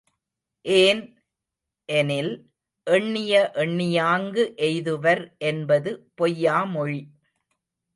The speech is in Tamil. ஏன்? எனில், எண்ணிய எண்ணியாங்கு எய்துவர் என்பது பொய்யா மொழி.